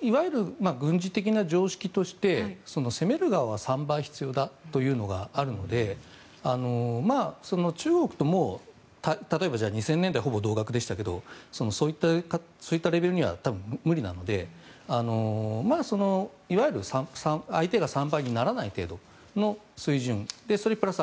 いわゆる軍事的な常識として攻める側は３倍必要だというのがあるので中国と例えば、２０００年代はほぼ同額でしたがそういったレベルには多分無理なのでいわゆる相手が３倍にならない程度の水準それプラス